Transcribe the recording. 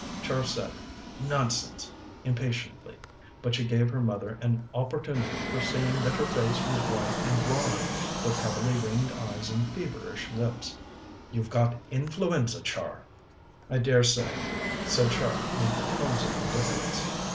Char said: "Nonsense!" impatiently, but she gave her mother an opportunity for seeing that her face was white and drawn, with heavily ringed eyes and feverish lips. "You've got influenza, Char." "I dare say," said Char in tones of indifference.